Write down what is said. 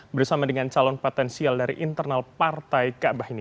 bersama dengan calon potensial dari internal partai kaabah ini